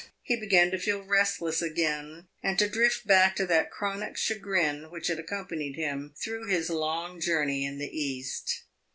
He began to feel restless again, and to drift back to that chronic chagrin which had accompanied him through his long journey in the East.